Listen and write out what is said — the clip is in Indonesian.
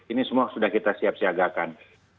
ini semua sudah kita siap siagakan